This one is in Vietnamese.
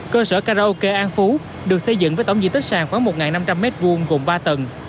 cơ sở karaoke an phú được xây dựng với tổng diện tích sàn khoảng một năm trăm linh m hai gồm ba tầng